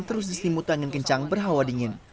terus diselimut angin kencang berhawa dingin